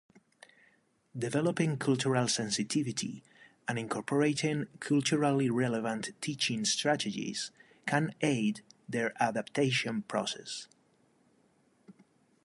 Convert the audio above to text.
Developing cultural sensitivity and incorporating culturally relevant teaching strategies can aid their adaptation process.